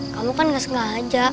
kamu kan gak sengaja